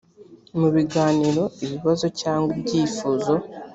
mu biganiro ibibazo cyangwa ibyifuzo